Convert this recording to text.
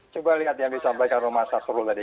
coba lihat yang disampaikan oleh mas safrul tadi